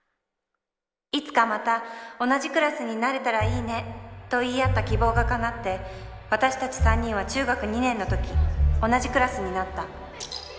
いつかまた同じクラスになれたら良いねと言い合った希望が叶って私たち三人は中学２年の時同じクラスになった。